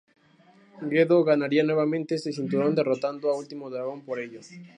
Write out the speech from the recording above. Gedo ganaría nuevamente este cinturón, derrotando a Último Dragón por ello.